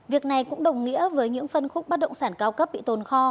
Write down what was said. việc này cũng đồng nghĩa với những phân khúc bất động sản cao cấp bị tồn kho